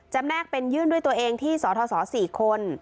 แนกเป็นยื่นด้วยตัวเองที่สท๔คน